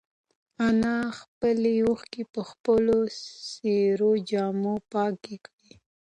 انا خپلې اوښکې په خپلو څېرو جامو کې پټې کړې.